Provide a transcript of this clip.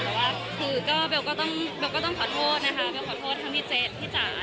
แต่ว่าเปลก็ต้องขอโทษทางพี่เจสทางพี่จัด